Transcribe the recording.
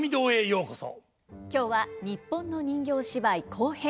今日は日本の人形芝居後編